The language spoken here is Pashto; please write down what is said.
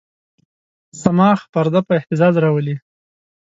صماخ پرده په اهتزاز راولي.